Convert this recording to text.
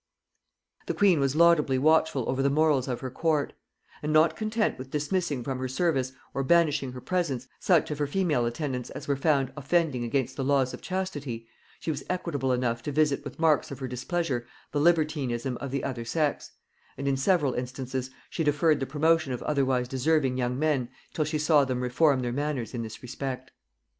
] The queen was laudably watchful over the morals of her court; and not content with dismissing from her service, or banishing her presence, such of her female attendants as were found offending against the laws of chastity, she was equitable enough to visit with marks of her displeasure the libertinism of the other sex; and in several instances she deferred the promotion of otherwise deserving young men till she saw them reform their manners in this respect.